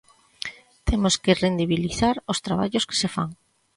Temos que rendibilizar os traballos que se fan.